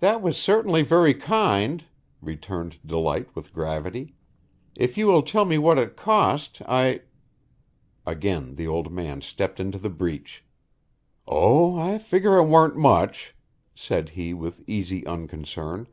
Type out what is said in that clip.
"That was certainly very kind," returned Delight with gravity. "If you will tell me what it cost I " Again the old man stepped into the breach. "Oh, I figger 'twarn't much," said he with easy unconcern.